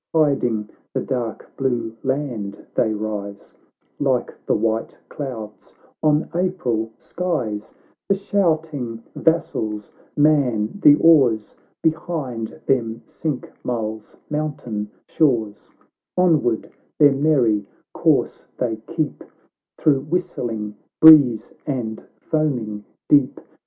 Hiding the dark blue land they rise, Like the white clouds on April skies; The shouting vassals man the oars, Behind them sink Mull's mountain shores, Onward their merry course they keep, Through whistling breeze and foaming deep.